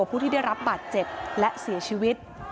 ผู้ที่ได้รับบาดเจ็บและเสียชีวิต